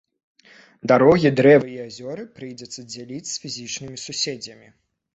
Дарогі, дрэвы і азёры прыйдзецца дзяліць з фізічнымі суседзямі.